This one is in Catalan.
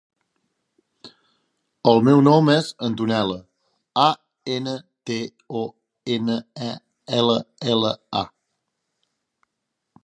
El meu nom és Antonella: a, ena, te, o, ena, e, ela, ela, a.